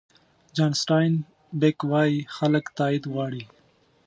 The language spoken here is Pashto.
جان سټاین بېک وایي خلک تایید غواړي.